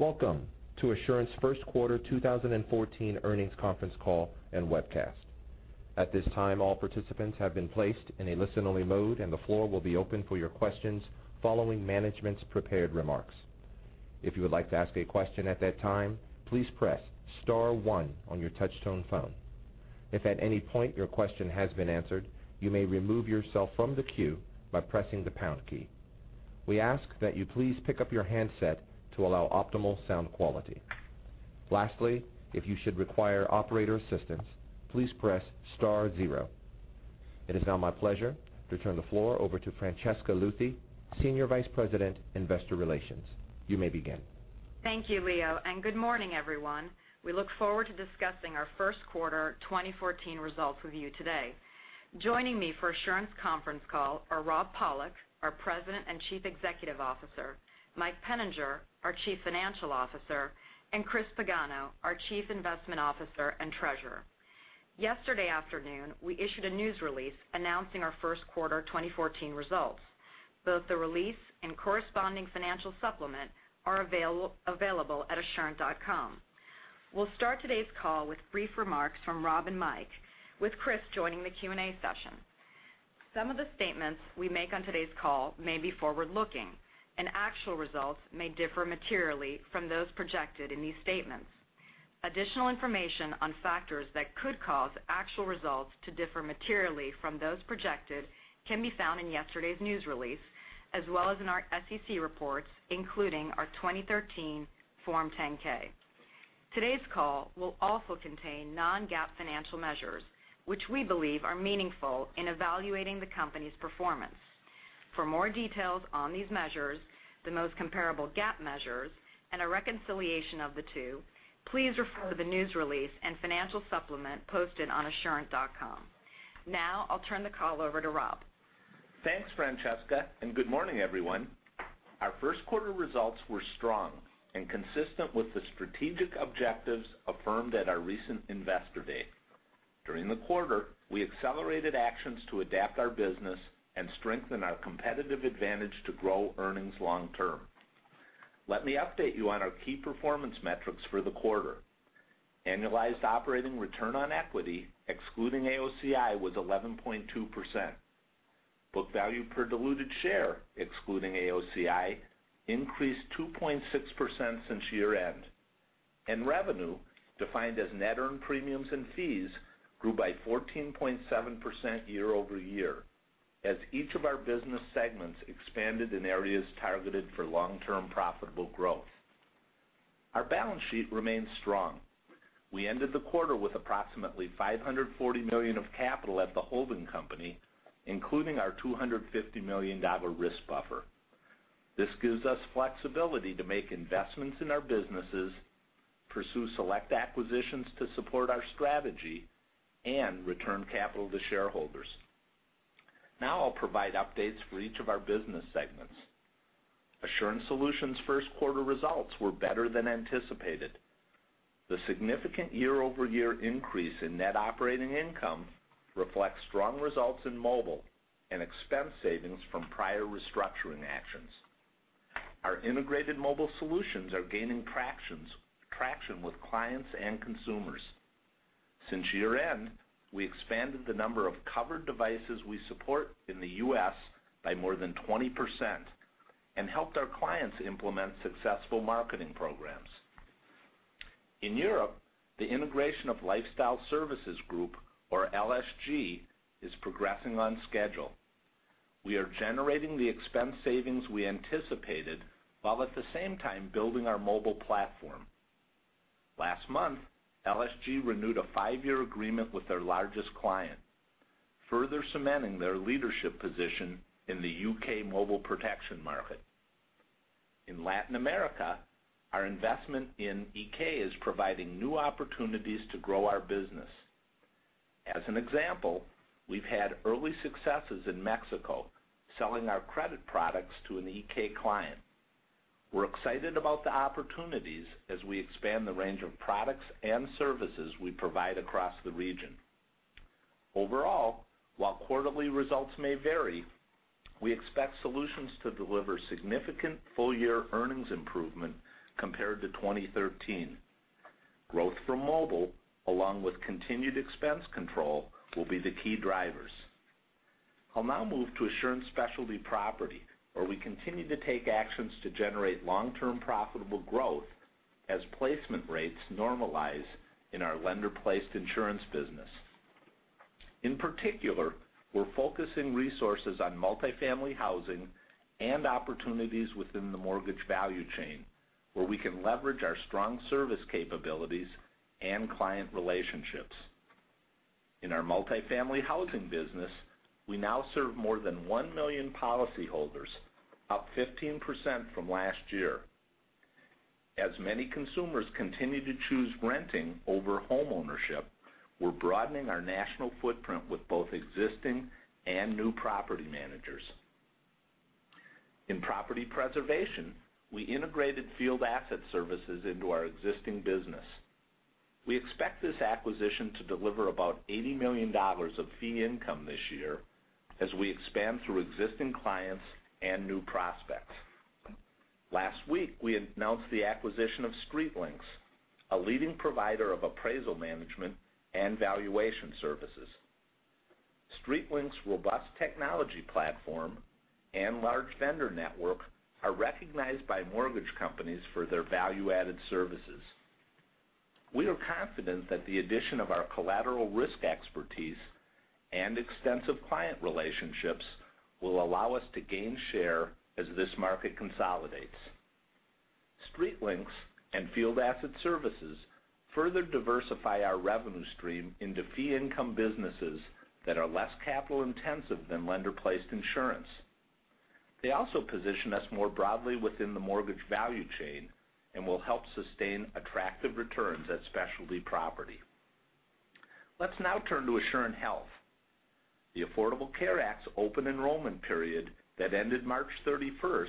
Welcome to Assurant's first quarter 2014 earnings conference call and webcast. At this time, all participants have been placed in a listen-only mode, and the floor will be open for your questions following management's prepared remarks. If you would like to ask a question at that time, please press *1 on your touchtone phone. If at any point your question has been answered, you may remove yourself from the queue by pressing the # key. We ask that you please pick up your handset to allow optimal sound quality. Lastly, if you should require operator assistance, please press *0. It is now my pleasure to turn the floor over to Francesca Luthi, Senior Vice President, Investor Relations. You may begin. Thank you, Leo, and good morning, everyone. We look forward to discussing our first quarter 2014 results with you today. Joining me for Assurant's conference call are Rob Pollock, our President and Chief Executive Officer, Mike Peninger, our Chief Financial Officer, and Chris Pagano, our Chief Investment Officer and Treasurer. Yesterday afternoon, we issued a news release announcing our first quarter 2014 results. Both the release and corresponding financial supplement are available at assurant.com. We'll start today's call with brief remarks from Rob and Mike, with Chris joining the Q&A session. Some of the statements we make on today's call may be forward-looking, and actual results may differ materially from those projected in these statements. Additional information on factors that could cause actual results to differ materially from those projected can be found in yesterday's news release, as well as in our SEC reports, including our 2013 Form 10-K. Today's call will also contain non-GAAP financial measures, which we believe are meaningful in evaluating the company's performance. For more details on these measures, the most comparable GAAP measures, and a reconciliation of the two, please refer to the news release and financial supplement posted on assurant.com. Now, I'll turn the call over to Rob. Thanks, Francesca, and good morning, everyone. Our first quarter results were strong and consistent with the strategic objectives affirmed at our recent Investor Day. During the quarter, we accelerated actions to adapt our business and strengthen our competitive advantage to grow earnings long term. Let me update you on our key performance metrics for the quarter. Annualized operating return on equity, excluding AOCI, was 11.2%. Book value per diluted share, excluding AOCI, increased 2.6% since year-end. Revenue, defined as net earned premiums and fees, grew by 14.7% year-over-year as each of our business segments expanded in areas targeted for long-term profitable growth. Our balance sheet remains strong. We ended the quarter with approximately $540 million of capital at the holding company, including our $250 million risk buffer. This gives us flexibility to make investments in our businesses, pursue select acquisitions to support our strategy, and return capital to shareholders. I'll now provide updates for each of our business segments. Assurant Solutions' first quarter results were better than anticipated. The significant year-over-year increase in net operating income reflects strong results in mobile and expense savings from prior restructuring actions. Our integrated mobile solutions are gaining traction with clients and consumers. Since year-end, we expanded the number of covered devices we support in the U.S. by more than 20% and helped our clients implement successful marketing programs. In Europe, the integration of Lifestyle Services Group, or LSG, is progressing on schedule. We are generating the expense savings we anticipated while at the same time building our mobile platform. Last month, LSG renewed a five-year agreement with their largest client, further cementing their leadership position in the U.K. mobile protection market. In Latin America, our investment in Iké is providing new opportunities to grow our business. As an example, we've had early successes in Mexico selling our credit products to an Iké client. We're excited about the opportunities as we expand the range of products and services we provide across the region. Overall, while quarterly results may vary, we expect Solutions to deliver significant full-year earnings improvement compared to 2013. Growth from mobile, along with continued expense control, will be the key drivers. I'll now move to Assurant Specialty Property, where we continue to take actions to generate long-term profitable growth as placement rates normalize in our lender-placed insurance business. In particular, we're focusing resources on multifamily housing and opportunities within the mortgage value chain, where we can leverage our strong service capabilities and client relationships. In our multifamily housing business, we now serve more than 1 million policyholders, up 15% from last year. As many consumers continue to choose renting over homeownership, we're broadening our national footprint with both existing and new property managers. In property preservation, we integrated Field Asset Services into our existing business. We expect this acquisition to deliver about $80 million of fee income this year as we expand through existing clients and new prospects. Last week, we announced the acquisition of StreetLinks, a leading provider of appraisal management and valuation services. StreetLinks' robust technology platform and large vendor network are recognized by mortgage companies for their value-added services. We are confident that the addition of our collateral risk expertise and extensive client relationships will allow us to gain share as this market consolidates. StreetLinks and Field Asset Services further diversify our revenue stream into fee income businesses that are less capital intensive than lender-placed insurance. They also position us more broadly within the mortgage value chain and will help sustain attractive returns at Specialty Property. Let's now turn to Assurant Health. The Affordable Care Act's open enrollment period that ended March 31st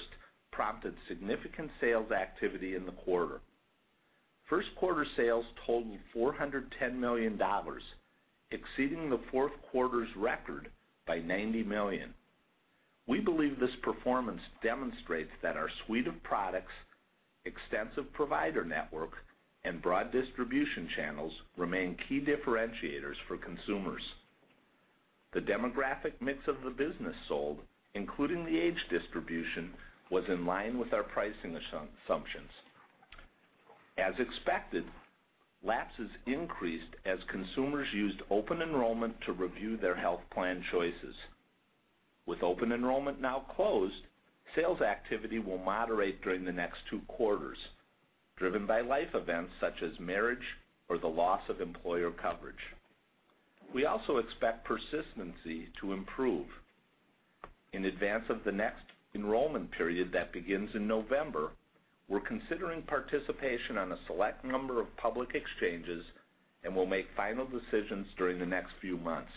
prompted significant sales activity in the quarter. First quarter sales totaled $410 million, exceeding the fourth quarter's record by $90 million. We believe this performance demonstrates that our suite of products, extensive provider network, and broad distribution channels remain key differentiators for consumers. The demographic mix of the business sold, including the age distribution, was in line with our pricing assumptions. As expected, lapses increased as consumers used open enrollment to review their health plan choices. With open enrollment now closed, sales activity will moderate during the next two quarters, driven by life events such as marriage or the loss of employer coverage. We also expect persistency to improve. In advance of the next enrollment period that begins in November, we're considering participation on a select number of public exchanges and will make final decisions during the next few months.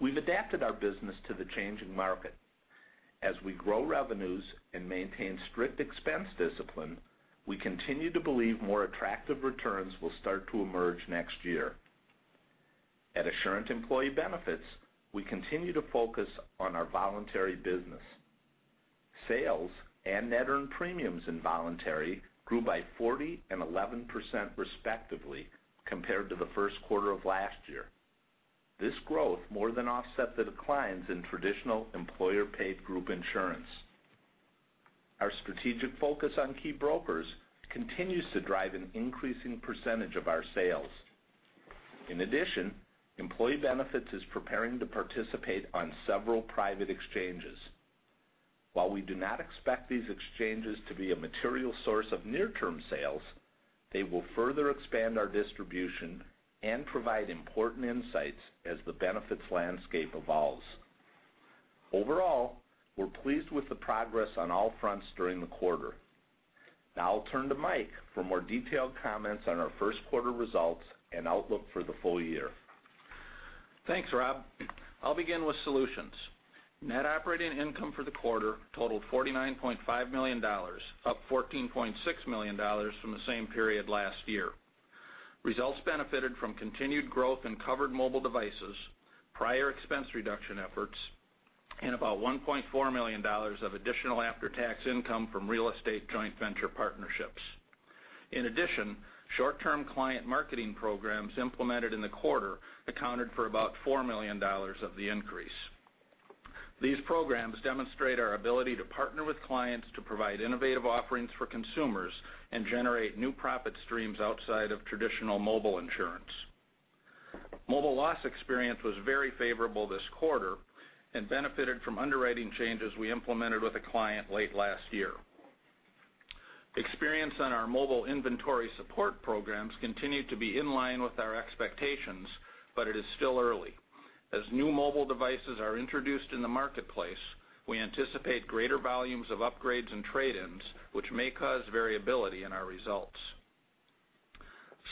We've adapted our business to the changing market. As we grow revenues and maintain strict expense discipline, we continue to believe more attractive returns will start to emerge next year. At Assurant Employee Benefits, we continue to focus on our voluntary business. Sales and net earned premiums in voluntary grew by 40% and 11%, respectively, compared to the first quarter of last year. This growth more than offset the declines in traditional employer-paid group insurance. Our strategic focus on key brokers continues to drive an increasing percentage of our sales. In addition, Employee Benefits is preparing to participate on several private exchanges. While we do not expect these exchanges to be a material source of near-term sales, they will further expand our distribution and provide important insights as the benefits landscape evolves. Overall, we're pleased with the progress on all fronts during the quarter. Now I'll turn to Mike for more detailed comments on our first quarter results and outlook for the full year. Thanks, Rob. I'll begin with Solutions. Net operating income for the quarter totaled $49.5 million, up $14.6 million from the same period last year. Results benefited from continued growth in covered mobile devices, prior expense reduction efforts, and about $1.4 million of additional after-tax income from real estate joint venture partnerships. In addition, short-term client marketing programs implemented in the quarter accounted for about $4 million of the increase. These programs demonstrate our ability to partner with clients to provide innovative offerings for consumers and generate new profit streams outside of traditional mobile insurance. Mobile loss experience was very favorable this quarter and benefited from underwriting changes we implemented with a client late last year. Experience on our mobile inventory support programs continued to be in line with our expectations, but it is still early. As new mobile devices are introduced in the marketplace, we anticipate greater volumes of upgrades and trade-ins, which may cause variability in our results.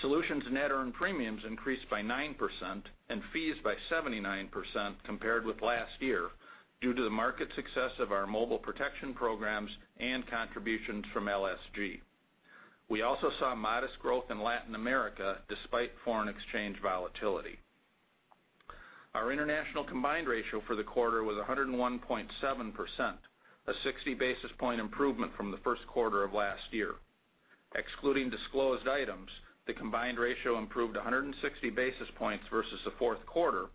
Solutions net earned premiums increased by 9% and fees by 79% compared with last year due to the market success of our mobile protection programs and contributions from LSG. We also saw modest growth in Latin America despite foreign exchange volatility. Our international combined ratio for the quarter was 101.7%, a 60 basis point improvement from the first quarter of last year. Excluding disclosed items, the combined ratio improved 160 basis points versus the fourth quarter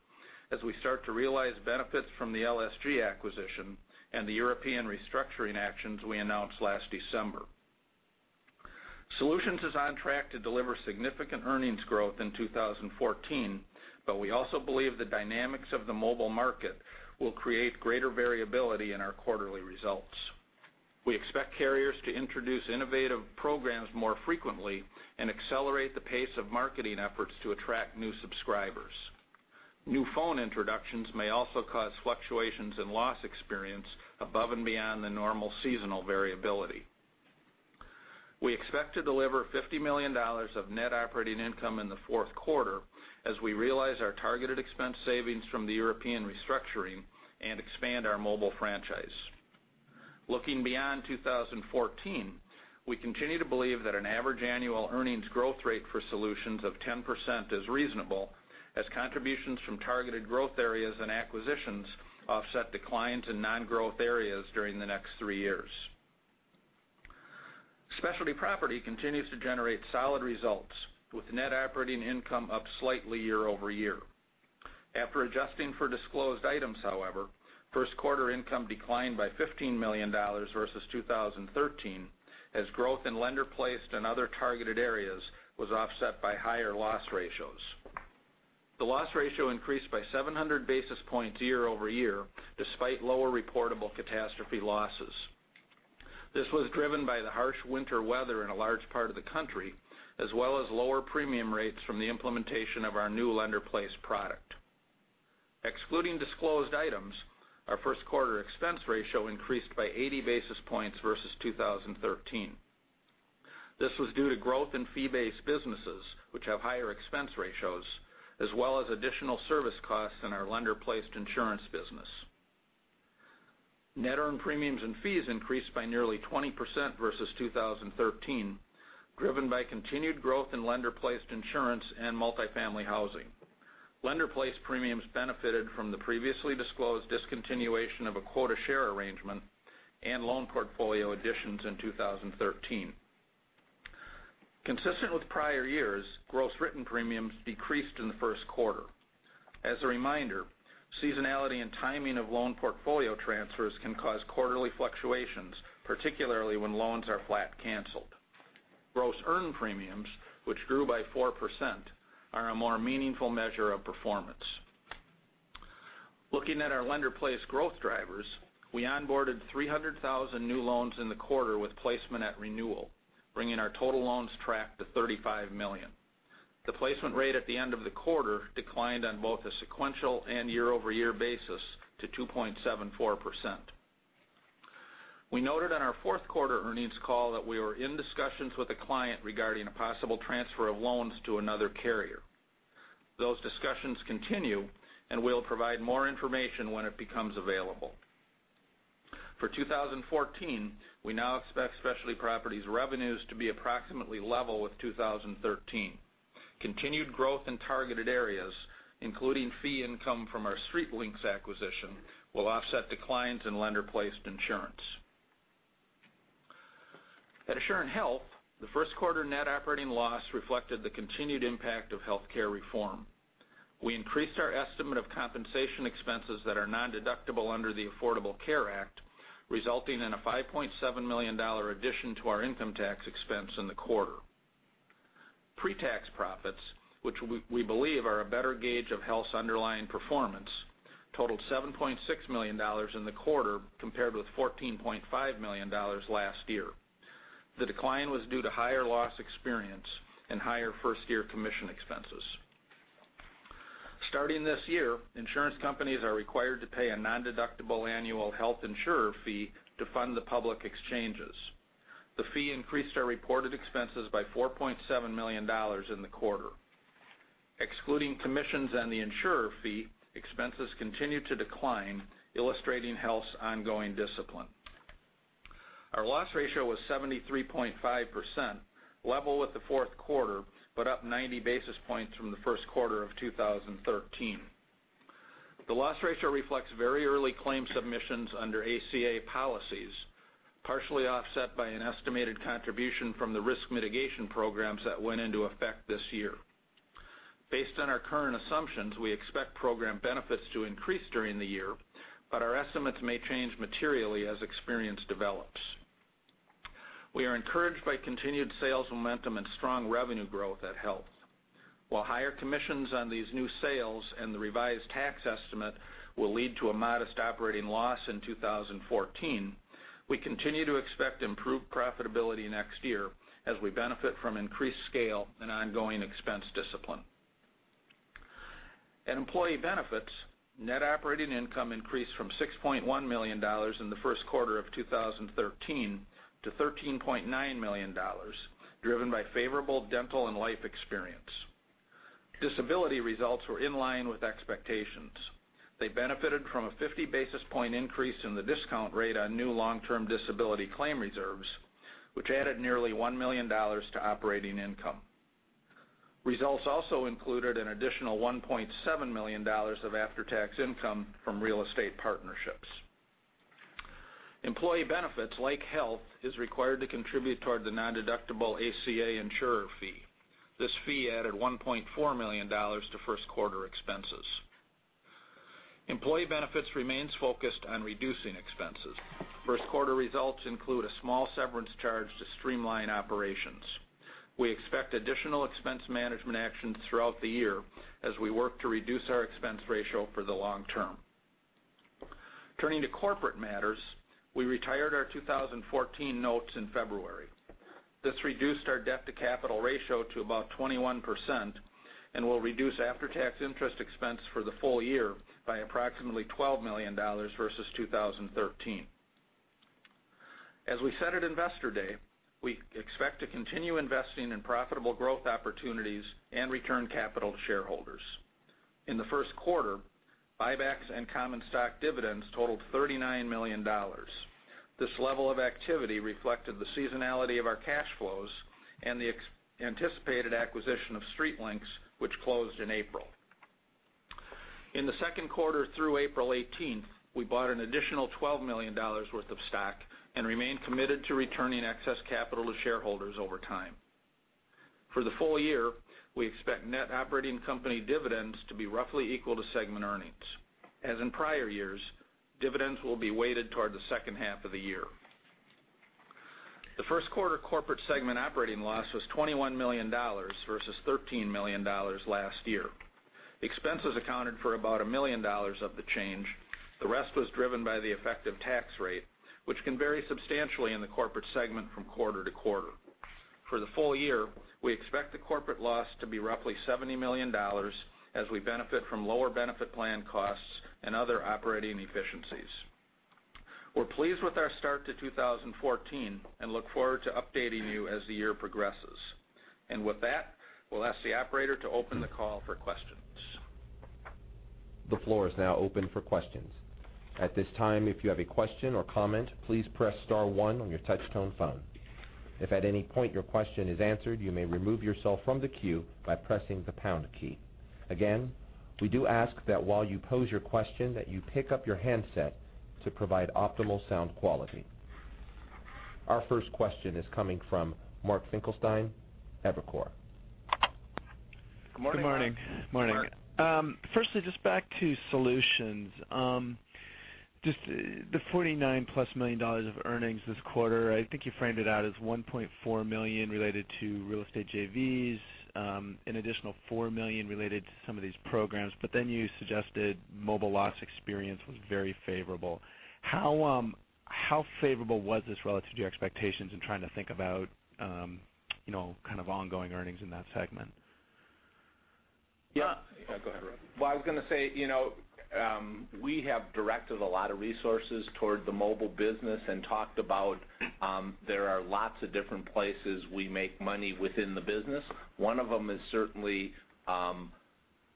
as we start to realize benefits from the LSG acquisition and the European restructuring actions we announced last December. Solutions is on track to deliver significant earnings growth in 2014, but we also believe the dynamics of the mobile market will create greater variability in our quarterly results. We expect carriers to introduce innovative programs more frequently and accelerate the pace of marketing efforts to attract new subscribers. New phone introductions may also cause fluctuations in loss experience above and beyond the normal seasonal variability. We expect to deliver $50 million of net operating income in the fourth quarter as we realize our targeted expense savings from the European restructuring and expand our mobile franchise. Looking beyond 2014, we continue to believe that an average annual earnings growth rate for Assurant Solutions of 10% is reasonable, as contributions from targeted growth areas and acquisitions offset declines in non-growth areas during the next three years. Assurant Specialty Property continues to generate solid results, with net operating income up slightly year-over-year. After adjusting for disclosed items, however, first quarter income declined by $15 million versus 2013, as growth in lender-placed and other targeted areas was offset by higher loss ratios. The loss ratio increased by 700 basis points year-over-year, despite lower reportable catastrophe losses. This was driven by the harsh winter weather in a large part of the country, as well as lower premium rates from the implementation of our new lender-placed product. Excluding disclosed items, our first quarter expense ratio increased by 80 basis points versus 2013. This was due to growth in fee-based businesses, which have higher expense ratios, as well as additional service costs in our lender-placed insurance business. Net earned premiums and fees increased by nearly 20% versus 2013, driven by continued growth in lender-placed insurance and multifamily housing. Lender-placed premiums benefited from the previously disclosed discontinuation of a quota share arrangement and loan portfolio additions in 2013. Consistent with prior years, gross written premiums decreased in the first quarter. As a reminder, seasonality and timing of loan portfolio transfers can cause quarterly fluctuations, particularly when loans are flat canceled. Gross earned premiums, which grew by 4%, are a more meaningful measure of performance. Looking at our lender-placed growth drivers, we onboarded 300,000 new loans in the quarter with placement at renewal, bringing our total loans tracked to 35 million. The placement rate at the end of the quarter declined on both a sequential and year-over-year basis to 2.74%. We noted on our fourth quarter earnings call that we were in discussions with a client regarding a possible transfer of loans to another carrier. Those discussions continue, and we'll provide more information when it becomes available. For 2014, we now expect Assurant Specialty Property revenues to be approximately level with 2013. Continued growth in targeted areas, including fee income from our StreetLinks acquisition, will offset declines in lender-placed insurance. At Assurant Health, the first quarter net operating loss reflected the continued impact of healthcare reform. We increased our estimate of compensation expenses that are nondeductible under the Affordable Care Act, resulting in a $5.7 million addition to our income tax expense in the quarter. Pre-tax profits, which we believe are a better gauge of health's underlying performance, totaled $7.6 million in the quarter, compared with $14.5 million last year. The decline was due to higher loss experience and higher first-year commission expenses. Starting this year, insurance companies are required to pay a nondeductible annual health insurer fee to fund the public exchanges. The fee increased our reported expenses by $4.7 million in the quarter. Excluding commissions and the insurer fee, expenses continued to decline, illustrating health's ongoing discipline. Our loss ratio was 73.5%, level with the fourth quarter, but up 90 basis points from the first quarter of 2013. The loss ratio reflects very early claim submissions under ACA policies, partially offset by an estimated contribution from the risk mitigation programs that went into effect this year. Based on our current assumptions, we expect program benefits to increase during the year, but our estimates may change materially as experience develops. We are encouraged by continued sales momentum and strong revenue growth at Health. While higher commissions on these new sales and the revised tax estimate will lead to a modest operating loss in 2014, we continue to expect improved profitability next year as we benefit from increased scale and ongoing expense discipline. At Employee Benefits, net operating income increased from $6.1 million in the first quarter of 2013 to $13.9 million, driven by favorable dental and life experience. Disability results were in line with expectations. They benefited from a 50 basis point increase in the discount rate on new long-term disability claim reserves, which added nearly $1 million to operating income. Results also included an additional $1.7 million of after-tax income from real estate partnerships. Employee Benefits, like Health, is required to contribute toward the nondeductible ACA insurer fee. This fee added $1.4 million to first quarter expenses. Employee Benefits remains focused on reducing expenses. First quarter results include a small severance charge to streamline operations. We expect additional expense management actions throughout the year as we work to reduce our expense ratio for the long term. Turning to corporate matters, we retired our 2014 notes in February. This reduced our debt to capital ratio to about 21% and will reduce after-tax interest expense for the full year by approximately $12 million versus 2013. We said at Investor Day, we expect to continue investing in profitable growth opportunities and return capital to shareholders. In the first quarter, buybacks and common stock dividends totaled $39 million. This level of activity reflected the seasonality of our cash flows and the anticipated acquisition of StreetLinks, which closed in April. In the second quarter through April 18th, we bought an additional $12 million worth of stock and remain committed to returning excess capital to shareholders over time. For the full year, we expect net operating company dividends to be roughly equal to segment earnings. As in prior years, dividends will be weighted toward the second half of the year. The first quarter corporate segment operating loss was $21 million versus $13 million last year. Expenses accounted for about a million dollars of the change. The rest was driven by the effective tax rate, which can vary substantially in the corporate segment from quarter to quarter. For the full year, we expect the corporate loss to be roughly $70 million as we benefit from lower benefit plan costs and other operating efficiencies. We're pleased with our start to 2014 and look forward to updating you as the year progresses. With that, we'll ask the operator to open the call for questions. The floor is now open for questions. At this time, if you have a question or comment, please press star one on your touch-tone phone. If at any point your question is answered, you may remove yourself from the queue by pressing the pound key. Again, we do ask that while you pose your question, that you pick up your handset to provide optimal sound quality. Our first question is coming from Mark Finkelstein, Evercore. Good morning. Good morning. Mark. Morning. Firstly, just back to Solutions. Just the $49-plus million of earnings this quarter, I think you framed it out as $1.4 million related to real estate JVs, an additional $4 million related to some of these programs. You suggested mobile loss experience was very favorable. How favorable was this relative to your expectations in trying to think about ongoing earnings in that segment? Yeah. Go ahead, Rob. Well, I was going to say, we have directed a lot of resources toward the mobile business and talked about how there are lots of different places we make money within the business. One of them is certainly on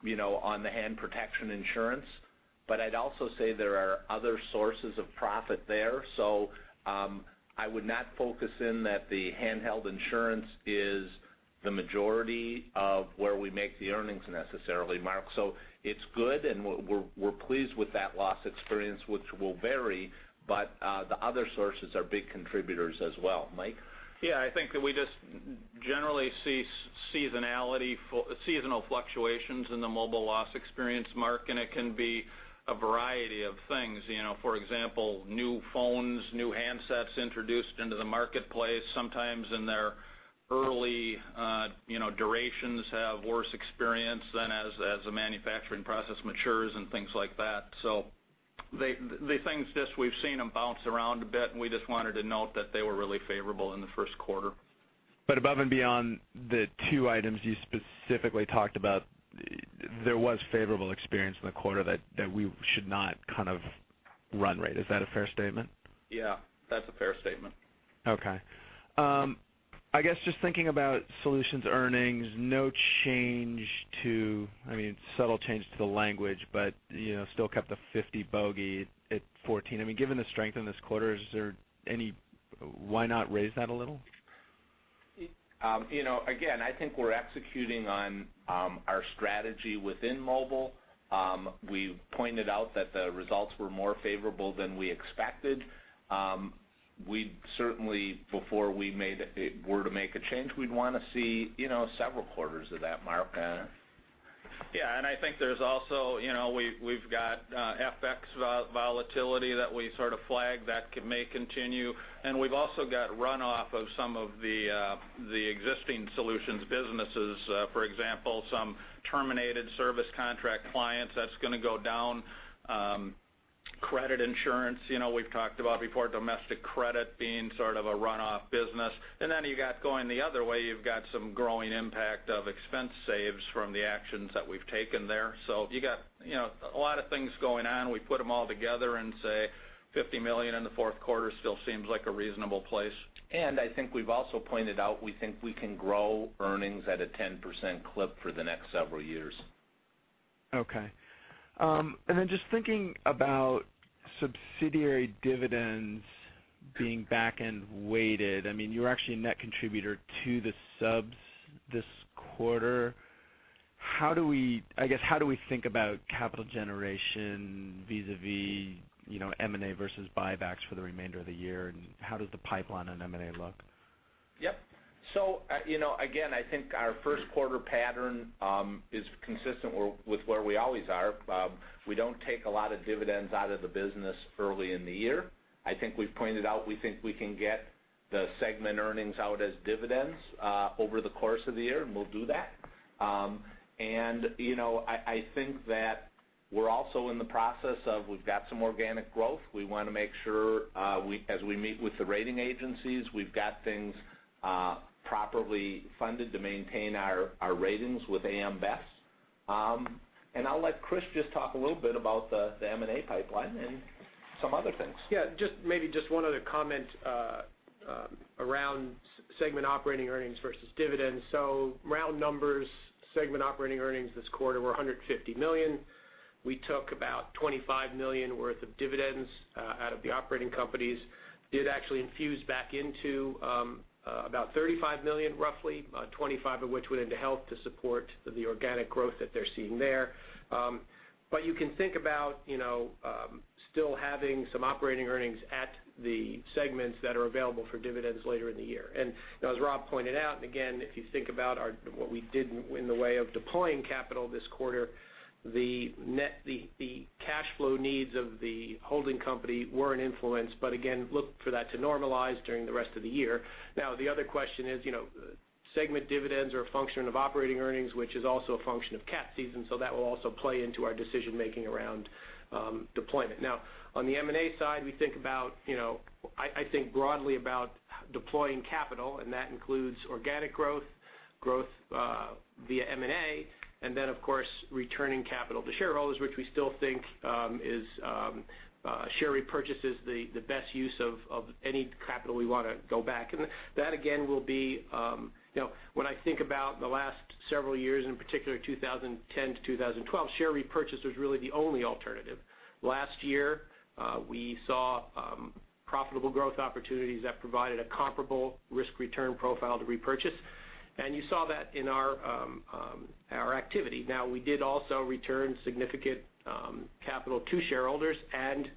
the hand protection insurance, but I'd also say there are other sources of profit there. I would not focus in that the handheld insurance is the majority of where we make the earnings necessarily, Mark. It's good, and we're pleased with that loss experience, which will vary, but the other sources are big contributors as well. Mike? Yeah, I think that we just generally see seasonal fluctuations in the mobile loss experience, Mark, and it can be a variety of things. For example, new phones, new handsets introduced into the marketplace, sometimes in their early durations have worse experience than as the manufacturing process matures and things like that. The things just we've seen them bounce around a bit, and we just wanted to note that they were really favorable in the first quarter. Above and beyond the two items you specifically talked about, there was favorable experience in the quarter that we should not kind of run rate. Is that a fair statement? Yeah, that's a fair statement. Okay. I guess just thinking about Assurant Solutions earnings, no change to, I mean, subtle change to the language, but still kept the $50 million bogey at 2014. Given the strength in this quarter, is there any why not raise that a little? I think we're executing on our strategy within mobile. We've pointed out that the results were more favorable than we expected. We'd certainly, before we were to make a change, we'd want to see several quarters of that, Mark. Yeah, I think there's also we've got FX volatility that we sort of flagged that may continue, and we've also got runoff of some of the existing Assurant Solutions businesses. For example, some terminated service contract clients, that's going to go down. Credit insurance, we've talked about before, domestic credit being sort of a runoff business. Then you got going the other way, you've got some growing impact of expense saves from the actions that we've taken there. You got a lot of things going on. We put them all together and say $50 million in the fourth quarter still seems like a reasonable place. I think we've also pointed out we think we can grow earnings at a 10% clip for the next several years. Just thinking about subsidiary dividends being back-end weighted, you're actually a net contributor to the subs this quarter. How do we think about capital generation vis-a-vis M&A versus buybacks for the remainder of the year, and how does the pipeline on M&A look? I think our first quarter pattern is consistent with where we always are. We don't take a lot of dividends out of the business early in the year. I think we've pointed out we think we can get the segment earnings out as dividends over the course of the year, and we'll do that. I think that we're also in the process of we've got some organic growth. We want to make sure as we meet with the rating agencies, we've got things properly funded to maintain our ratings with AM Best. I'll let Chris just talk a little bit about the M&A pipeline and Some other things. Maybe just one other comment around segment operating earnings versus dividends. Round numbers, segment operating earnings this quarter were $150 million. We took about $25 million worth of dividends out of the operating companies. Did actually infuse back into about $35 million, roughly, $25 million of which went into Health to support the organic growth that they're seeing there. You can think about still having some operating earnings at the segments that are available for dividends later in the year. As Rob pointed out, and again, if you think about what we did in the way of deploying capital this quarter, the cash flow needs of the holding company were an influence, but again, look for that to normalize during the rest of the year. The other question is, segment dividends are a function of operating earnings, which is also a function of cat season, so that will also play into our decision-making around deployment. On the M&A side, I think broadly about deploying capital, and that includes organic growth via M&A, and then of course, returning capital to shareholders, which we still think is share repurchase is the best use of any capital we want to go back. When I think about the last several years, in particular 2010 to 2012, share repurchase was really the only alternative. Last year, we saw profitable growth opportunities that provided a comparable risk-return profile to repurchase. You saw that in our activity. We did also return significant capital to shareholders and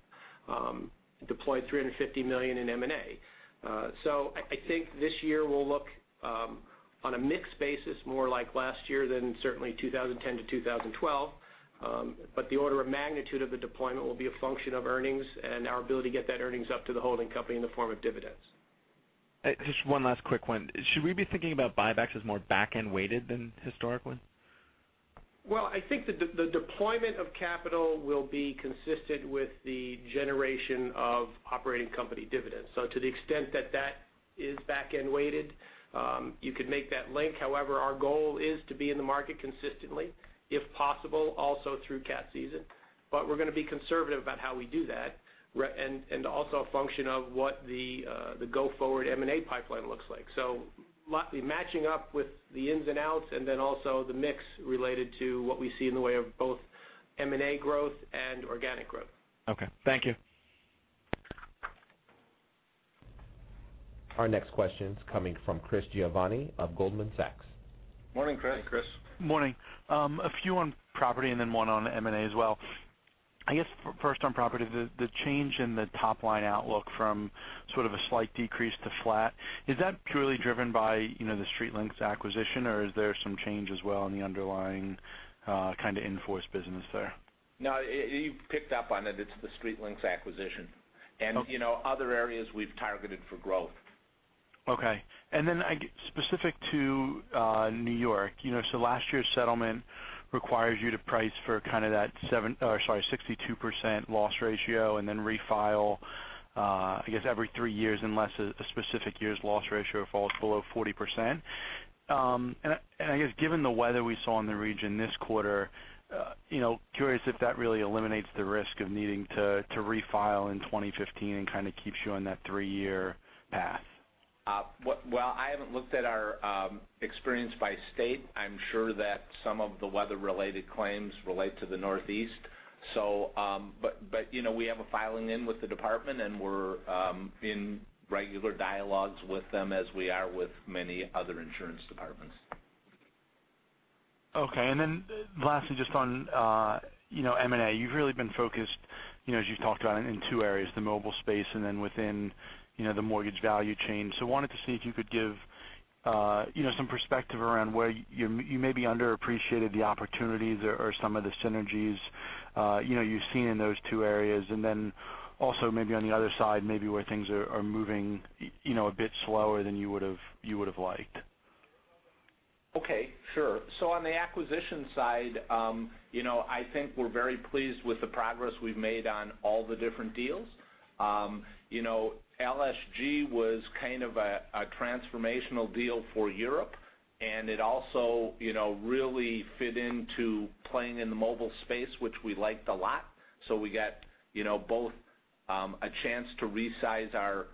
deployed $350 million in M&A. I think this year will look on a mixed basis, more like last year than certainly 2010 to 2012. The order of magnitude of the deployment will be a function of earnings and our ability to get that earnings up to the holding company in the form of dividends. Just one last quick one. Should we be thinking about buybacks as more back-end weighted than historically? I think the deployment of capital will be consistent with the generation of operating company dividends. To the extent that that is back-end weighted, you could make that link. However, our goal is to be in the market consistently, if possible, also through cat season. We're going to be conservative about how we do that, and also a function of what the go-forward M&A pipeline looks like. Matching up with the ins and outs, and then also the mix related to what we see in the way of both M&A growth and organic growth. Okay. Thank you. Our next question's coming from Chris Giovanni of Goldman Sachs. Morning, Chris. Morning, Chris. Morning. A few on property and then one on M&A as well. I guess first on property, the change in the top-line outlook from sort of a slight decrease to flat, is that purely driven by the StreetLinks acquisition, or is there some change as well in the underlying kind of in-force business there? No, you've picked up on it. It's the StreetLinks acquisition. Okay. Other areas we've targeted for growth. Specific to New York, last year's settlement requires you to price for kind of that 62% loss ratio and then refile, I guess, every three years unless a specific year's loss ratio falls below 40%. Given the weather we saw in the region this quarter, curious if that really eliminates the risk of needing to refile in 2015 and kind of keeps you on that three-year path. Well, I haven't looked at our experience by state. I'm sure that some of the weather-related claims relate to the Northeast. We have a filing in with the department, and we're in regular dialogues with them as we are with many other insurance departments. Lastly, just on M&A. You've really been focused, as you've talked about, in two areas, the mobile space and then within the mortgage value chain. Wanted to see if you could give some perspective around where you maybe underappreciated the opportunities or some of the synergies you've seen in those two areas. Also maybe on the other side, maybe where things are moving a bit slower than you would've liked. On the acquisition side, I think we're very pleased with the progress we've made on all the different deals. LSG was kind of a transformational deal for Europe, and it also really fit into playing in the mobile space, which we liked a lot. We got both a chance to resize our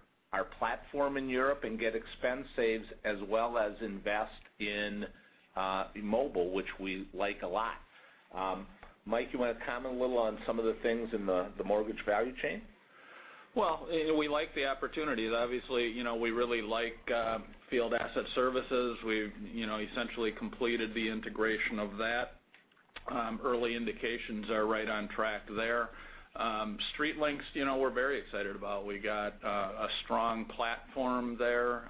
platform in Europe and get expense saves as well as invest in mobile, which we like a lot. Mike, you want to comment a little on some of the things in the mortgage value chain? Well, we like the opportunities. Obviously, we really like Field Asset Services. We've essentially completed the integration of that. Early indications are right on track there. StreetLinks, we're very excited about. We got a strong platform there.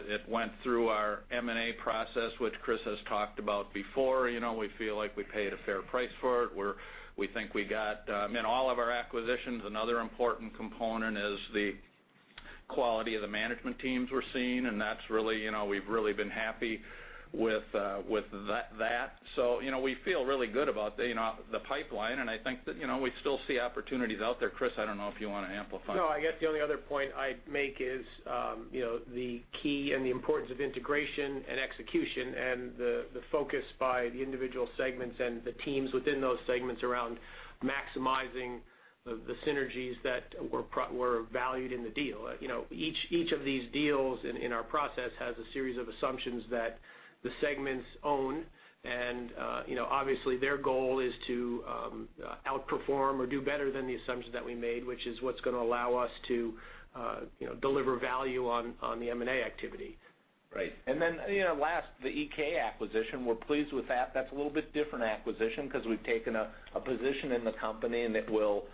It went through our M&A process, which Chris has talked about before. We feel like we paid a fair price for it, where we think we got-- in all of our acquisitions, another important component is the Quality of the management teams we're seeing. We've really been happy with that. We feel really good about the pipeline, and I think that we still see opportunities out there. Chris, I don't know if you want to amplify. No, I guess the only other point I'd make is the key and the importance of integration and execution and the focus by the individual segments and the teams within those segments around maximizing the synergies that were valued in the deal. Each of these deals in our process has a series of assumptions that the segments own, and obviously their goal is to outperform or do better than the assumptions that we made, which is what's going to allow us to deliver value on the M&A activity. Right. Then last, the Iké acquisition, we're pleased with that. That's a little bit different acquisition because we've taken a position in the company, and it will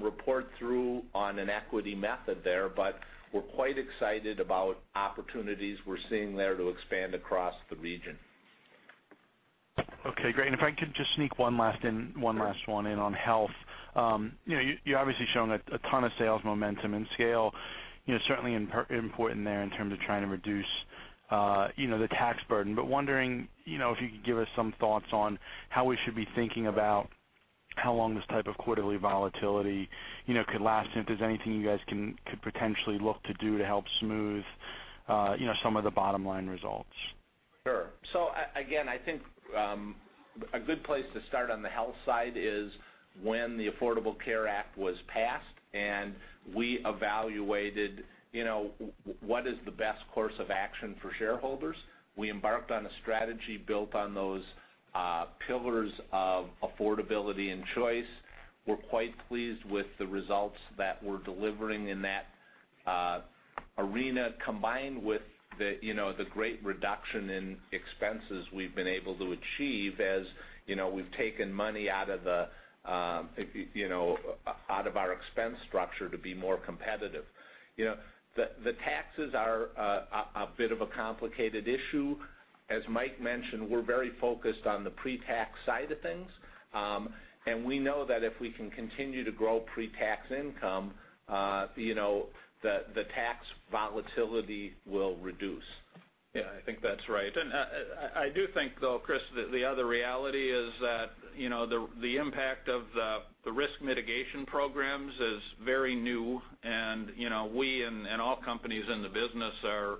report through on an equity method there, but we're quite excited about opportunities we're seeing there to expand across the region. Okay, great. If I could just sneak one last one in on health. You're obviously showing a ton of sales momentum and scale, certainly important there in terms of trying to reduce the tax burden. Wondering, if you could give us some thoughts on how we should be thinking about how long this type of quarterly volatility could last and if there's anything you guys could potentially look to do to help smooth some of the bottom-line results. Sure. Again, I think a good place to start on the health side is when the Affordable Care Act was passed, and we evaluated what is the best course of action for shareholders. We embarked on a strategy built on those pillars of affordability and choice. We're quite pleased with the results that we're delivering in that arena, combined with the great reduction in expenses we've been able to achieve as we've taken money out of our expense structure to be more competitive. The taxes are a bit of a complicated issue. As Mike mentioned, we're very focused on the pre-tax side of things. We know that if we can continue to grow pre-tax income, the tax volatility will reduce. Yeah, I think that's right. I do think, though, Chris, the other reality is that the impact of the risk mitigation programs is very new and we and all companies in the business are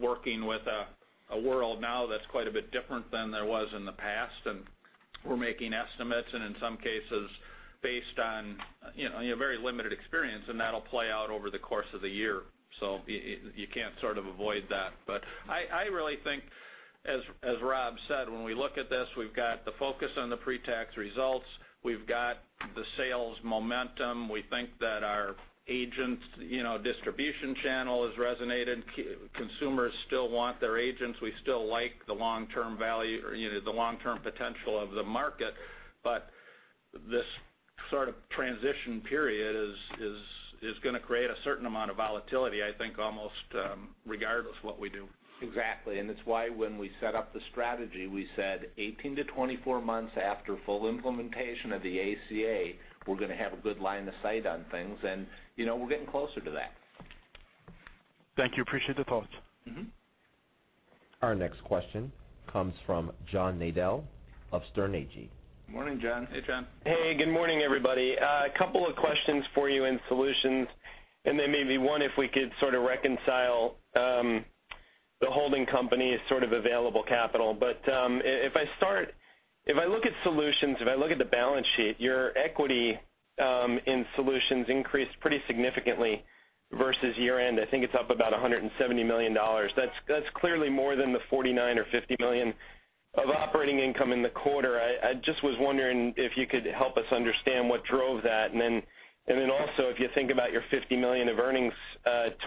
working with a world now that's quite a bit different than there was in the past, and we're making estimates and in some cases based on very limited experience, and that'll play out over the course of the year. You can't sort of avoid that. I really think, as Rob said, when we look at this, we've got the focus on the pre-tax results. We've got the sales momentum. We think that our agents distribution channel has resonated. Consumers still want their agents. We still like the long-term potential of the market. This sort of transition period is going to create a certain amount of volatility, I think, almost regardless what we do. It's why when we set up the strategy, we said 18 to 24 months after full implementation of the ACA, we're going to have a good line of sight on things, we're getting closer to that. Thank you. Appreciate the thoughts. Our next question comes from John Nadel of Sterne Agee. Morning, John. Hey, John. Hey, good morning, everybody. A couple of questions for you in Solutions, then maybe one if we could sort of reconcile the holding company's sort of available capital. If I look at Solutions, if I look at the balance sheet, your equity in Solutions increased pretty significantly versus year-end. I think it's up about $170 million. That's clearly more than the $49 or $50 million of operating income in the quarter. I just was wondering if you could help us understand what drove that. Also, if you think about your $50 million of earnings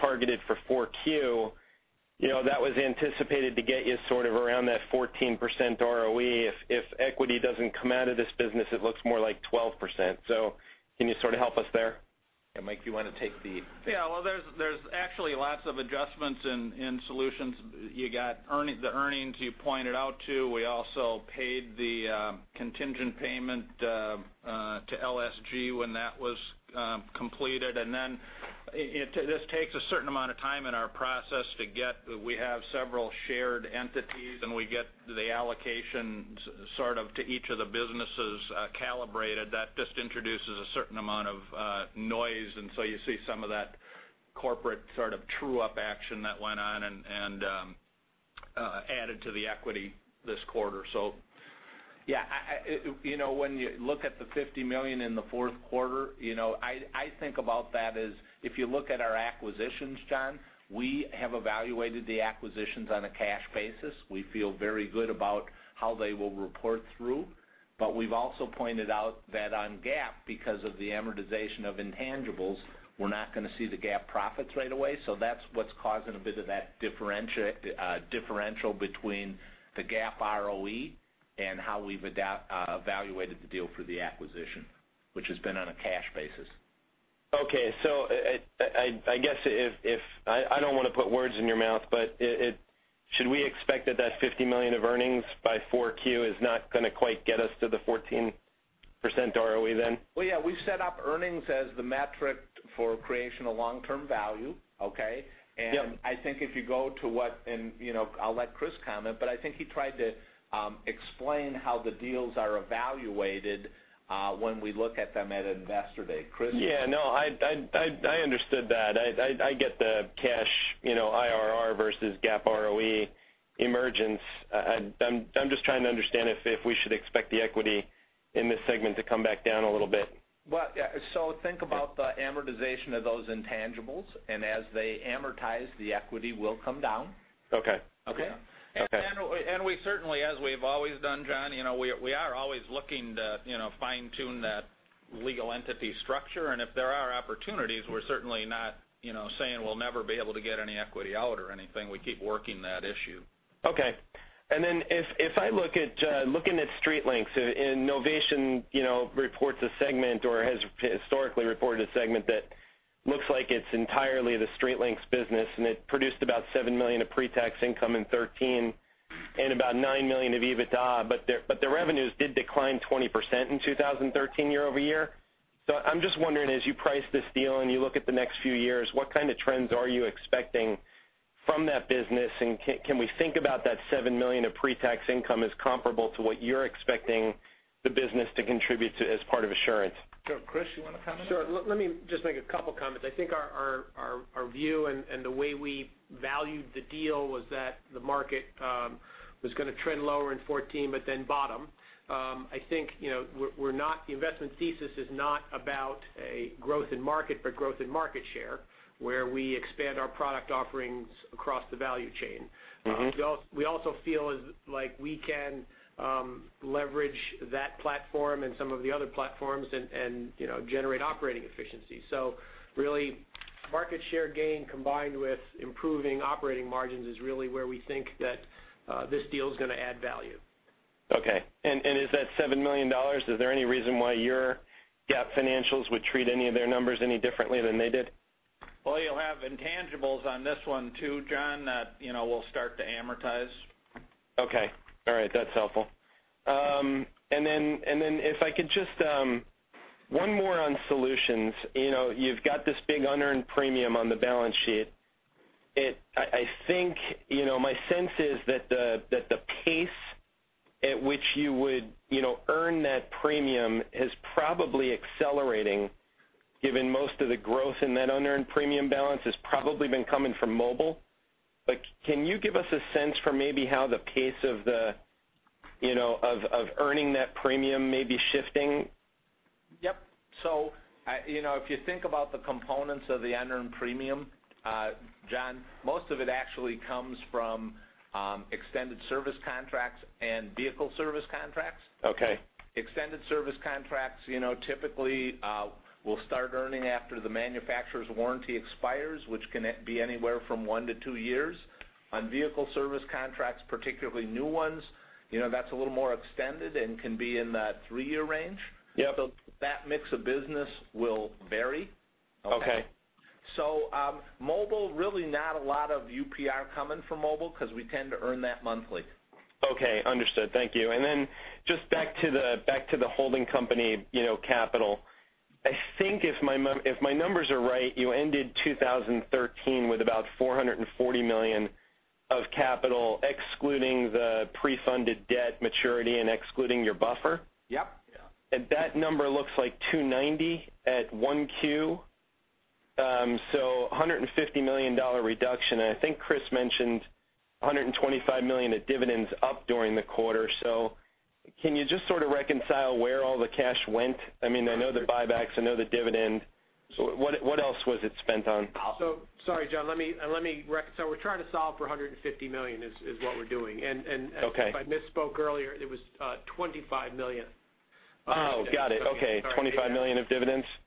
targeted for 4Q, that was anticipated to get you sort of around that 14% ROE. If equity doesn't come out of this business, it looks more like 12%. Can you sort of help us there? Yeah, Mike, you want to take the? Yeah. Well, there's actually lots of adjustments in Solutions. You got the earnings you pointed out, too. We also paid the contingent payment to LSG when that was completed, then this takes a certain amount of time in our process. We have several shared entities, and we get the allocations sort of to each of the businesses calibrated. That just introduces a certain amount of noise, and you see some of that corporate sort of true-up action that went on and added to the equity this quarter. Yeah. When you look at the $50 million in the fourth quarter, I think about that as if you look at our acquisitions, John, we have evaluated the acquisitions on a cash basis. We feel very good about how they will report through. We've also pointed out that on GAAP, because of the amortization of intangibles, we're not going to see the GAAP profits right away. That's what's causing a bit of that differential between the GAAP ROE and how we've evaluated the deal for the acquisition, which has been on a cash basis. Okay. I guess, I don't want to put words in your mouth, but should we expect that that $50 million of earnings by 4Q is not going to quite get us to the 14% ROE then? Well, yeah, we set up earnings as the metric for creation of long-term value. Okay? Yep. I think if you go to what, and I'll let Chris comment, but I think he tried to explain how the deals are evaluated when we look at them at Investor Day. Chris? Yeah. No, I understood that. I get the cash IRR versus GAAP ROE emergence. I'm just trying to understand if we should expect the equity in this segment to come back down a little bit. Well, yeah. Think about the amortization of those intangibles, and as they amortize, the equity will come down. Okay. Okay? Okay. We certainly, as we've always done, John, we are always looking to fine-tune that legal entity structure. If there are opportunities, we're certainly not saying we'll never be able to get any equity out or anything. We keep working that issue. Okay. If I look at looking at StreetLinks, Novation reports a segment or has historically reported a segment that looks like it's entirely the StreetLinks business, and it produced about $7 million of pre-tax income in 2013 and about $9 million of EBITDA. Their revenues did decline 20% in 2013 year-over-year. I'm just wondering, as you price this deal and you look at the next few years, what kind of trends are you expecting from that business? Can we think about that $7 million of pre-tax income as comparable to what you're expecting the business to contribute to as part of Assurant? Sure. Chris, you want to comment? Sure. Let me just make a couple comments. I think our view and the way we valued the deal was that the market was going to trend lower in 2014, but then bottom. I think the investment thesis is not about a growth in market, but growth in market share, where we expand our product offerings across the value chain. We also feel as like we can leverage that platform and some of the other platforms and generate operating efficiency. Really market share gain combined with improving operating margins is really where we think that this deal is going to add value. Okay. Is that $7 million, is there any reason why your GAAP financials would treat any of their numbers any differently than they did? Well, you'll have intangibles on this one, too, John, that will start to amortize. Okay. All right. That's helpful. Then if I could just, one more on Solutions. You've got this big unearned premium on the balance sheet. My sense is that the pace at which you would earn that premium is probably accelerating given most of the growth in that unearned premium balance has probably been coming from mobile. Can you give us a sense for maybe how the pace of earning that premium may be shifting? Yep. If you think about the components of the unearned premium, John, most of it actually comes from extended service contracts and vehicle service contracts. Okay. Extended service contracts typically will start earning after the manufacturer's warranty expires, which can be anywhere from one to two years. On vehicle service contracts, particularly new ones, that's a little more extended and can be in the three-year range. Yep. That mix of business will vary. Okay. Mobile, really not a lot of UPR coming from mobile because we tend to earn that monthly. Okay, understood. Thank you. Then just back to the holding company capital. I think if my numbers are right, you ended 2013 with about $440 million of capital excluding the pre-funded debt maturity and excluding your buffer. Yep. That number looks like $290 at 1Q. $150 million reduction. I think Chris mentioned $125 million of dividends up during the quarter. Can you just sort of reconcile where all the cash went? I know the buybacks, I know the dividend. What else was it spent on? Sorry, John. Let me reconcile. We're trying to solve for $150 million is what we're doing. Okay. If I misspoke earlier, it was $25 million. Got it. Okay. $25 million of dividends? Right. Okay.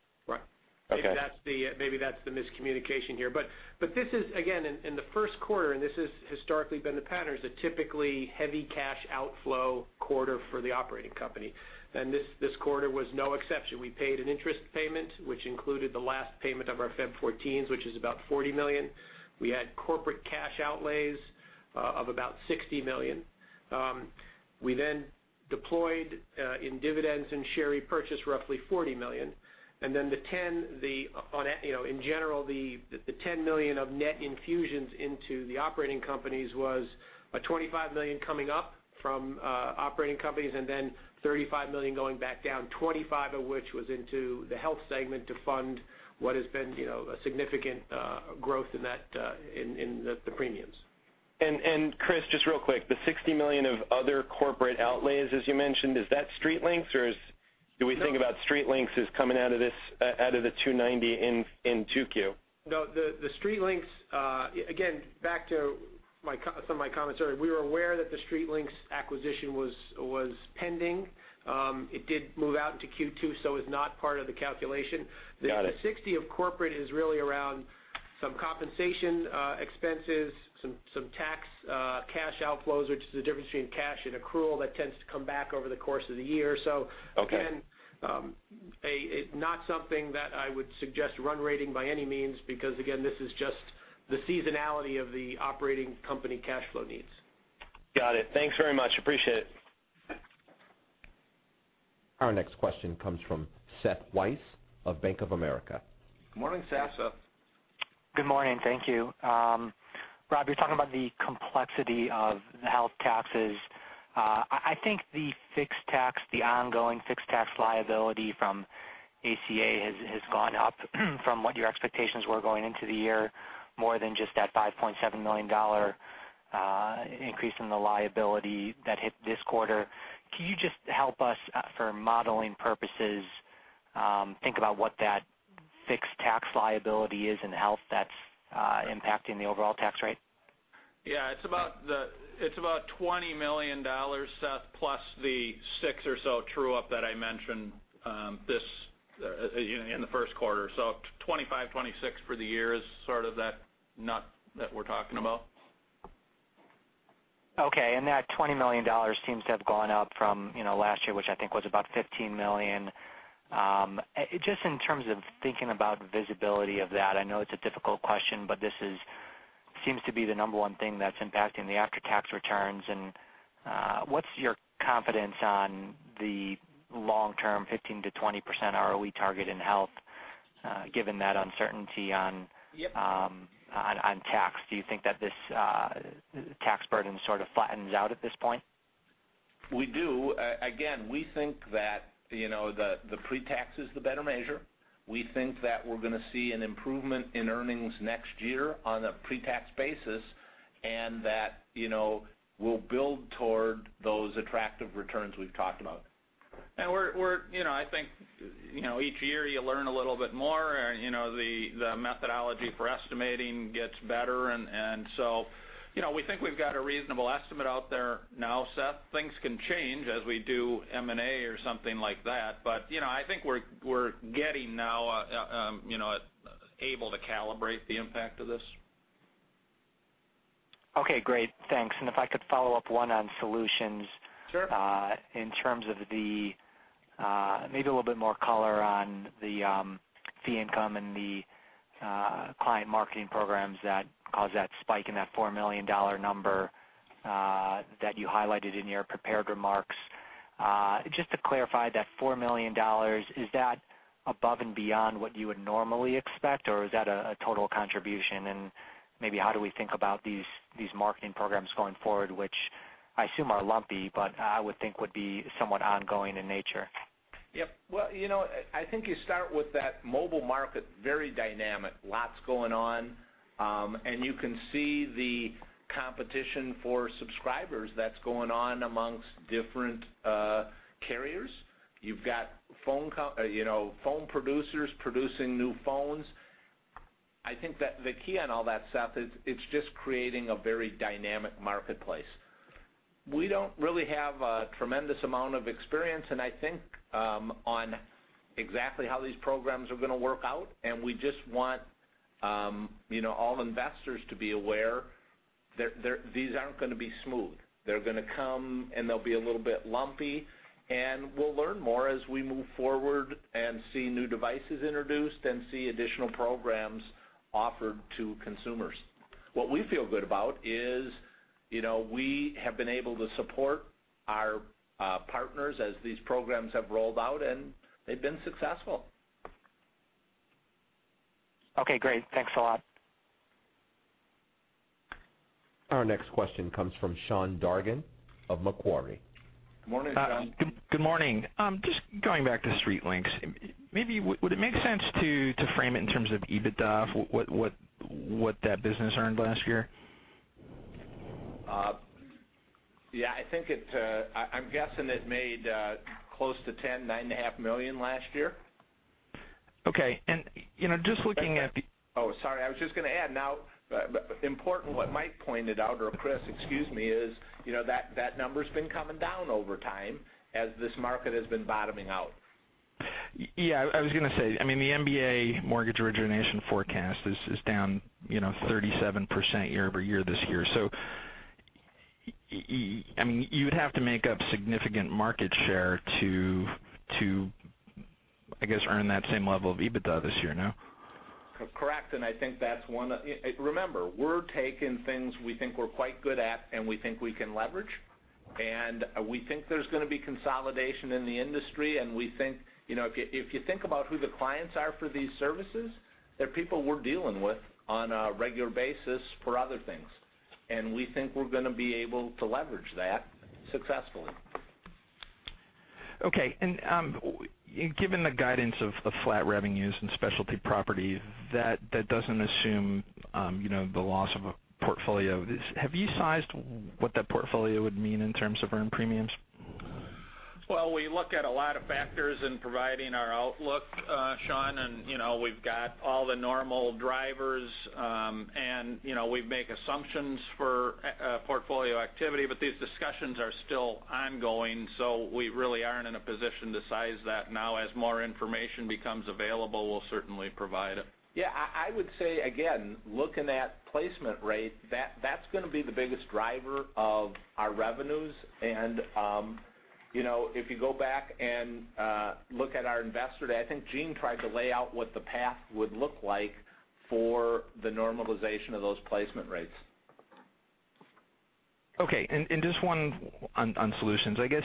Maybe that's the miscommunication here. This is again, in the first quarter, and this has historically been the pattern, is a typically heavy cash outflow quarter for the operating company. This quarter was no exception. We paid an interest payment, which included the last payment of our Feb 14s, which is about $40 million. We had corporate cash outlays of about $60 million. We then deployed in dividends and share repurchase roughly $40 million. In general, the $10 million of net infusions into the operating companies was a $25 million coming up from operating companies and then $35 million going back down, $25 of which was into the health segment to fund what has been a significant growth in the premiums. Chris, just real quick, the $60 million of other corporate outlays, as you mentioned, is that StreetLinks or do we think about StreetLinks as coming out of the $290 in 2Q? No. The StreetLinks, again, back to some of my commentary. We were aware that the StreetLinks acquisition was pending. It did move out into Q2, so it's not part of the calculation. Got it. The $60 of corporate is really around some compensation expenses, some tax cash outflows, which is the difference between cash and accrual that tends to come back over the course of the year. Okay. Again, not something that I would suggest run rating by any means because again, this is just the seasonality of the operating company cash flow needs. Got it. Thanks very much. Appreciate it. Our next question comes from Seth Weiss of Bank of America. Good morning, Seth. Good morning. Thank you. Rob, you are talking about the complexity of the health taxes. I think the fixed tax, the ongoing fixed tax liability from ACA, has gone up from what your expectations were going into the year, more than just that $5.7 million increase in the liability that hit this quarter. Can you just help us, for modeling purposes, think about what that fixed tax liability is in health that is impacting the overall tax rate? Yeah, it is about $20 million, Seth, plus the six or so true-up that I mentioned in the first quarter. $25, $26 million for the year is sort of that nut that we are talking about. Okay, that $20 million seems to have gone up from last year, which I think was about $15 million. Just in terms of thinking about visibility of that, I know it is a difficult question, but this seems to be the number one thing that is impacting the after-tax returns. What is your confidence on the long term 15%-20% ROE target in health, given that uncertainty on- Yep on tax? Do you think that this tax burden sort of flattens out at this point? We do. We think that the pre-tax is the better measure. We think that we're going to see an improvement in earnings next year on a pre-tax basis, that we'll build toward those attractive returns we've talked about. I think each year you learn a little bit more. The methodology for estimating gets better, we think we've got a reasonable estimate out there now, Seth. Things can change as we do M&A or something like that. I think we're getting now able to calibrate the impact of this. Okay, great. Thanks. If I could follow up one on Solutions. Sure. In terms of the, maybe a little bit more color on the fee income and the client marketing programs that caused that spike in that $4 million number that you highlighted in your prepared remarks. Just to clarify that $4 million, is that above and beyond what you would normally expect, or is that a total contribution? Maybe how do we think about these marketing programs going forward, which I assume are lumpy, but I would think would be somewhat ongoing in nature? Yep. Well, I think you start with that mobile market, very dynamic, lots going on. You can see the competition for subscribers that's going on amongst different carriers. You've got phone producers producing new phones. I think that the key on all that, Seth, is it's just creating a very dynamic marketplace. We don't really have a tremendous amount of experience, I think on exactly how these programs are going to work out, and we just want all investors to be aware that these aren't going to be smooth. They're going to come, and they'll be a little bit lumpy, and we'll learn more as we move forward and see new devices introduced and see additional programs offered to consumers. What we feel good about is we have been able to support our partners as these programs have rolled out, and they've been successful. Okay, great. Thanks a lot. Our next question comes from Sean Dargan of Macquarie. Morning, Sean. Good morning. Just going back to StreetLinks. Maybe would it make sense to frame it in terms of EBITDA, what that business earned last year? Yeah, I'm guessing it made close to $10 million, $9.5 million last year. Okay, just looking at. Oh, sorry, I was just going to add. Important what Mike pointed out, or Chris, excuse me, is that number's been coming down over time as this market has been bottoming out. I was going to say, the MBA mortgage origination forecast is down 37% year-over-year this year. You would have to make up significant market share to, I guess, earn that same level of EBITDA this year, no? Correct, I think that's one Remember, we're taking things we think we're quite good at, we think we can leverage. We think there's going to be consolidation in the industry, we think if you think about who the clients are for these services, they're people we're dealing with on a regular basis for other things. We think we're going to be able to leverage that successfully. Okay. Given the guidance of flat revenues and Specialty Property, that doesn't assume the loss of a portfolio. Have you sized what that portfolio would mean in terms of earned premiums? Well, we look at a lot of factors in providing our outlook, Sean, we've got all the normal drivers, we make assumptions for portfolio activity, these discussions are still ongoing, we really aren't in a position to size that now. As more information becomes available, we'll certainly provide it. Yeah, I would say again, looking at placement rate, that's going to be the biggest driver of our revenues, and if you go back and look at our investor day, I think Gene tried to lay out what the path would look like for the normalization of those placement rates. Okay. Just one on Solutions. I guess,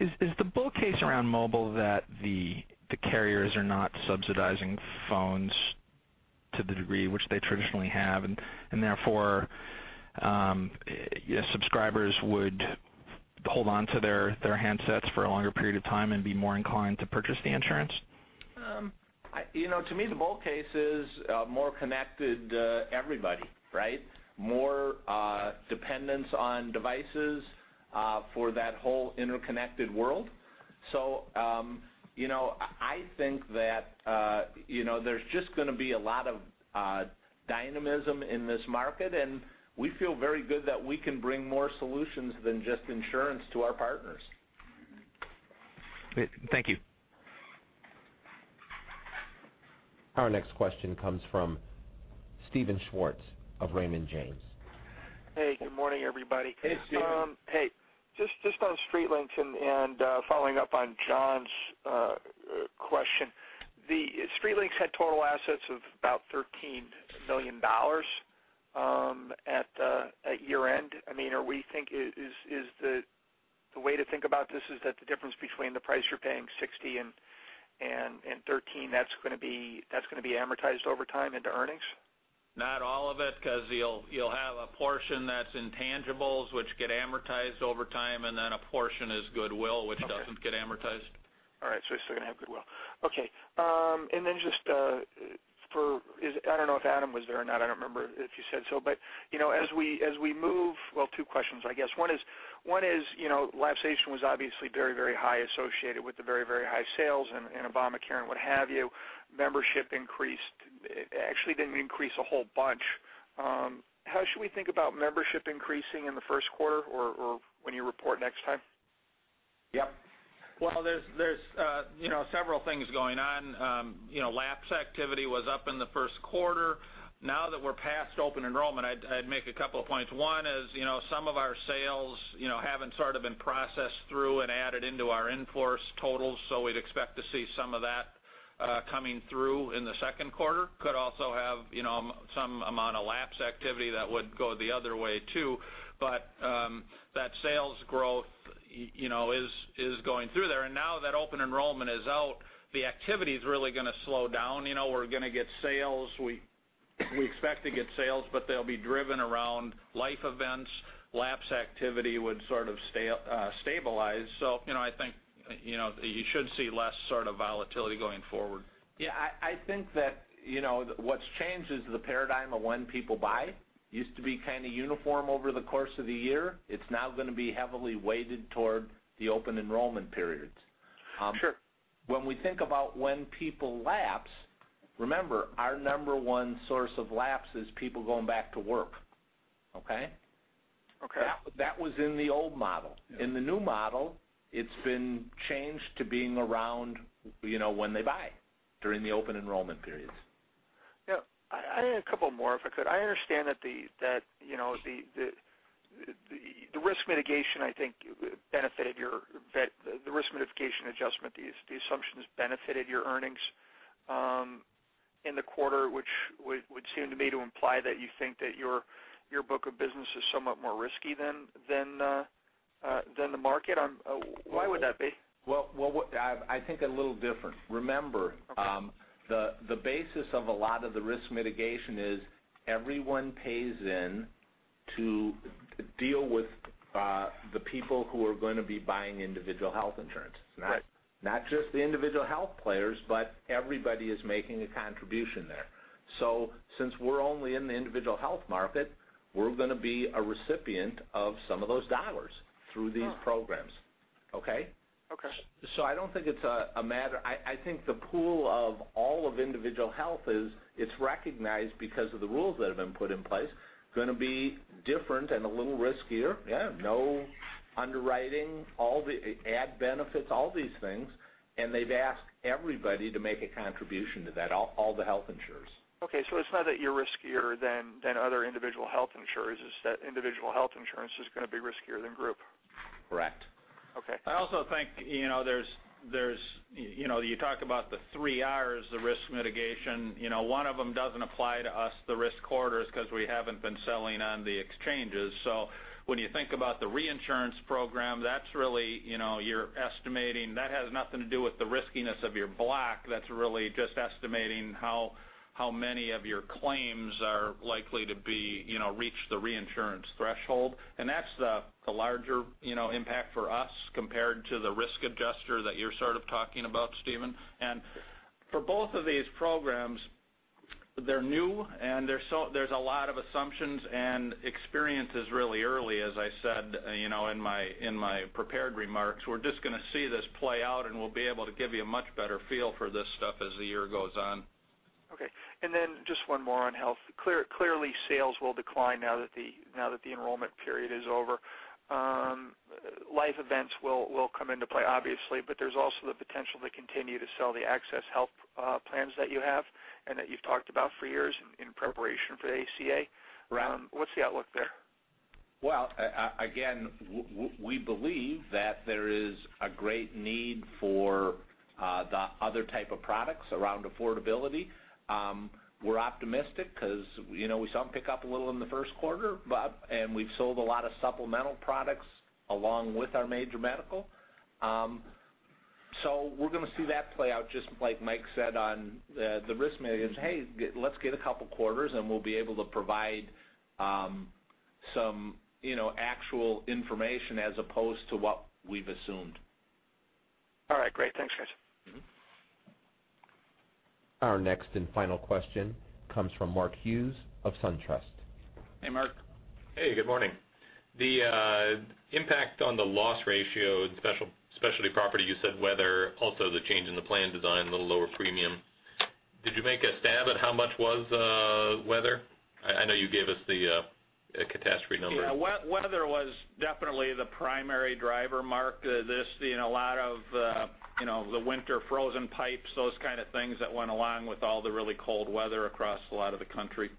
is the bull case around mobile that the carriers are not subsidizing phones to the degree which they traditionally have, and therefore, subscribers would hold onto their handsets for a longer period of time and be more inclined to purchase the insurance? To me, the bull case is more connected everybody, right? More dependence on devices for that whole interconnected world. I think that there's just going to be a lot of dynamism in this market, and we feel very good that we can bring more solutions than just insurance to our partners. Thank you. Our next question comes from Steven Schwartz of Raymond James. Hey, good morning, everybody. Hey, Steven. Hey. Just on StreetLinks and following up on John's question. StreetLinks had total assets of about $13 million at year-end. The way to think about this is that the difference between the price you're paying, $60 and $13, that's going to be amortized over time into earnings? Not all of it, because you'll have a portion that's intangibles, which get amortized over time, and then a portion is goodwill, which doesn't get amortized. Okay. All right, you're still going to have goodwill. Okay. I don't know if Adam was there or not, I don't remember if you said so. Well, two questions, I guess. One is, lapsation was obviously very, very high associated with the very, very high sales and Obamacare and what have you. Membership increased. It actually didn't increase a whole bunch. How should we think about membership increasing in the first quarter or when you report next time? Yep. Well, there's several things going on. Lapse activity was up in the first quarter. Now that we're past open enrollment, I'd make a couple of points. One is, some of our sales haven't sort of been processed through and added into our in-force totals, we'd expect to see some of that coming through in the second quarter. Could also have some amount of lapse activity that would go the other way, too. That sales growth is going through there. Now that open enrollment is out, the activity's really going to slow down. We're going to get sales. We expect to get sales, they'll be driven around life events. Lapse activity would sort of stabilize. I think you should see less sort of volatility going forward. Yeah, I think that what's changed is the paradigm of when people buy. Used to be kind of uniform over the course of the year. It's now going to be heavily weighted toward the open enrollment periods. Sure. When we think about when people lapse, remember, our number one source of lapse is people going back to work. Okay? Okay. That was in the old model. Yeah. In the new model, it's been changed to being around when they buy, during the open enrollment periods. Yeah. I had a couple more, if I could. I understand that the risk mitigation adjustment, the assumptions benefited your earnings in the quarter, which would seem to me to imply that you think that your book of business is somewhat more risky than the market. Why would that be? Well, I think a little different. Remember. Okay The basis of a lot of the risk mitigation is everyone pays in to deal with the people who are going to be buying individual health insurance. Right. Not just the individual health players, but everybody is making a contribution there. Since we're only in the individual health market, we're going to be a recipient of some of those dollars through these programs. Okay? Okay. I think the pool of all of individual health is, it's recognized because of the rules that have been put in place, going to be different and a little riskier. Yeah. No underwriting, add benefits, all these things. They've asked everybody to make a contribution to that, all the health insurers. It's not that you're riskier than other individual health insurers, it's that individual health insurance is going to be riskier than group. Correct. Okay. I also think, you talk about the three Rs, the risk mitigation. One of them doesn't apply to us, the risk corridors, because we haven't been selling on the exchanges. When you think about the reinsurance program, you're estimating, that has nothing to do with the riskiness of your block. That's really just estimating how many of your claims are likely to reach the reinsurance threshold. That's the larger impact for us compared to the risk adjuster that you're sort of talking about, Steven. For both of these programs, they're new, and there's a lot of assumptions and experiences really early, as I said in my prepared remarks. We're just going to see this play out, and we'll be able to give you a much better feel for this stuff as the year goes on. Then just one more on health. Clearly, sales will decline now that the enrollment period is over. Life events will come into play, obviously, but there's also the potential to continue to sell the Assurant Health Access plans that you have and that you've talked about for years in preparation for the ACA. Right. What's the outlook there? Well, again, we believe that there is a great need for the other type of products around affordability. We're optimistic because we saw them pick up a little in the first quarter, and we've sold a lot of supplemental products along with our major medical. We're going to see that play out just like Mike said on the risk mitigation. Hey, let's get a couple quarters, and we'll be able to provide some actual information as opposed to what we've assumed. All right, great. Thanks, guys. Our next and final question comes from Mark Hughes of SunTrust. Hey, Mark. Hey, good morning. The impact on the loss ratio in Specialty Property, you said weather, also the change in the plan design, the lower premium. Did you make a stab at how much was weather? I know you gave us the catastrophe number. Yeah. Weather was definitely the primary driver, Mark. A lot of the winter frozen pipes, those kind of things that went along with all the really cold weather across a lot of the country.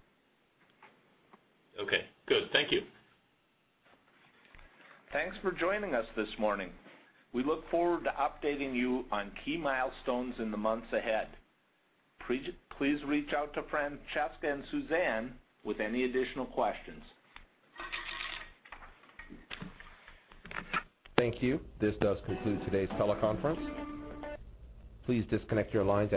Okay, good. Thank you. Thanks for joining us this morning. We look forward to updating you on key milestones in the months ahead. Please reach out to Francesca and Suzanne with any additional questions. Thank you. This does conclude today's teleconference. Please disconnect your lines at this time.